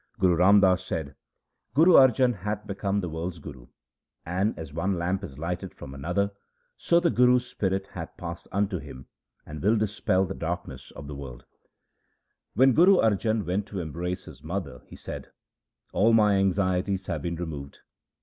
Guru Ram Das said, ' Guru 1 Majh. 282 THE SIKH RELIGION Arjan hath become the world's Guru, and, as one lamp is lighted from another, so the Guru's spirit hath passed into him, and will dispel the darkness of the world.' When Guru Arjan went to embrace his mother, he said :' All my anxieties have been removed.